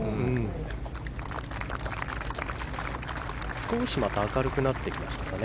少し明るくなってきましたかね。